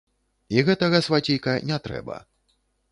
І гэтага, свацейка, не трэба.